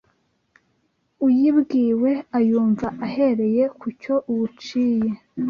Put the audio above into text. Uyibwiwe ayumva ahereye ku cyo uwuciye